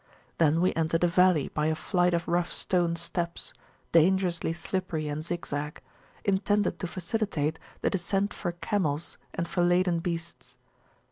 Then we entered a valley by a flight of rough stone steps, dangerously slippery and zigzag, intended to facilitate the descent for camels and for laden beasts.